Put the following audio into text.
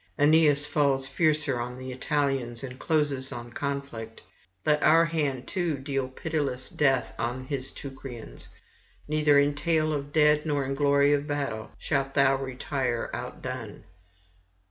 Aeneas falls fiercer on the Italians, and closes in conflict; let our hand too deal pitiless death on his Teucrians. Neither in tale of dead nor in glory of battle shalt thou retire outdone.'